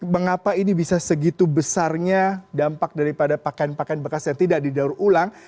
mengapa ini bisa segitu besarnya dampak daripada pakaian pakaian bekas yang tidak didaur ulang